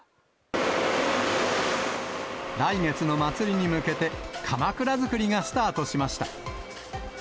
来月の祭りに向けて、かまくら作りがスタートしました。